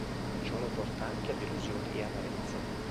Ciò lo porta anche a delusioni e amarezze.